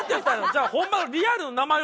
じゃあホンマの。